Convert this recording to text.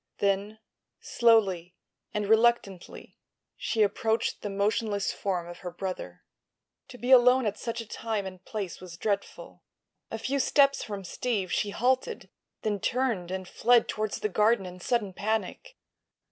Then, slowly and reluctantly, she approached the motionless form of her brother. To be alone at such a time and place was dreadful. A few steps from Steve she halted; then turned and fled toward the garden in sudden panic.